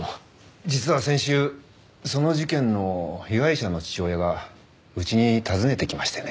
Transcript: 実は先週その事件の被害者の父親がうちに訪ねてきましてね。